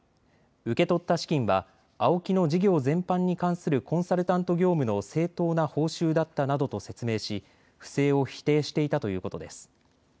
受け取った資金はＡＯＫＩの事業全般に関するコンサルタント業務の正当な報酬だったなどと説明し不正を否定していたということです。